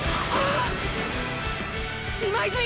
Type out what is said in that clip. ああ。